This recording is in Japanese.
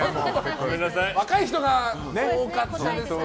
若い人が多かったですかね。